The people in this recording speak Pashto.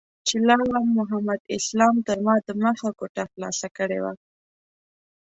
چې لاړم محمد اسلام تر ما دمخه کوټه خلاصه کړې وه.